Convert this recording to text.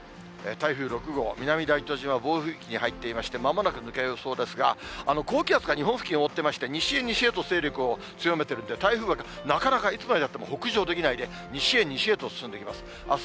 台風６号、南大東島、暴風域に入っていまして、まもなく抜ける予想ですが、高気圧が日本付近を覆ってまして、西へ西へと勢力を強めてるので、台風がなかなかいつまでたっても北上できないで、西へ西へと進んでいきます。